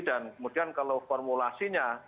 dan kemudian kalau formulasinya